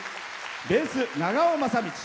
ベース、長尾雅道。